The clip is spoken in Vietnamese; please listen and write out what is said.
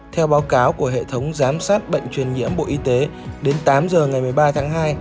theo báo cáo của hệ thống giám sát bệnh truyền nhiễm bộ y tế đến tám h ngày một mươi ba tháng hai